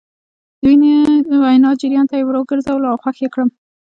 د وينا جريان ته يې ور ګرځولم او خوښ يې کړم.